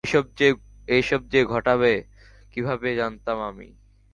এসব যে ঘটবে কীভাবে জানতাম আমি?